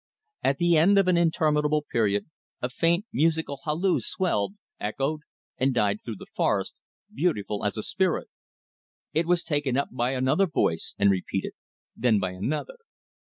At the end of an interminable period, a faint, musical halloo swelled, echoed, and died through the forest, beautiful as a spirit. It was taken up by another voice and repeated. Then by another.